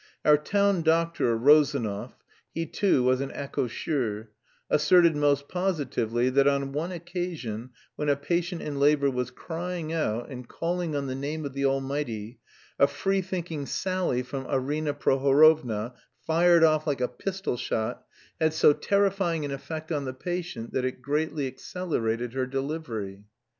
Our town doctor, Rozanov he too was an accoucheur asserted most positively that on one occasion when a patient in labour was crying out and calling on the name of the Almighty, a free thinking sally from Arina Prohorovna, fired off like a pistol shot, had so terrifying an effect on the patient that it greatly accelerated her delivery.